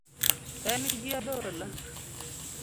En gi adhola